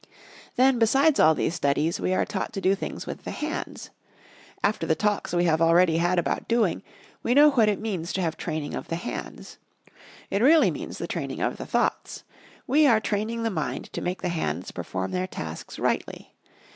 Then, besides all these studies, we are taught to do things with the hands. After the Talks we have already had about doing, we know what it means to have training of the hands. It really means the training of the thoughts. We are training the mind to make the hands perform their tasks rightly.